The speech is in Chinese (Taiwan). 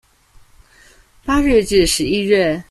八月至十一月